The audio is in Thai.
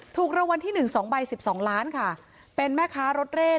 ถูกรางวัลที่หนึ่งสองใบสิบสองล้านค่ะเป็นแม่ค้ารถเรศ